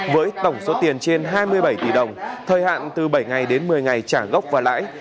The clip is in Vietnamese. với tổng số tiền trên hai mươi bảy tỷ đồng thời hạn từ bảy ngày đến một mươi ngày trả gốc và lãi